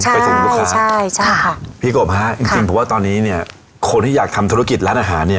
ไปถึงลูกค้าใช่ใช่ค่ะพี่กบฮะจริงจริงผมว่าตอนนี้เนี่ยคนที่อยากทำธุรกิจร้านอาหารเนี่ย